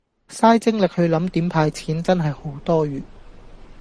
晒精力去唸點派錢真係好多餘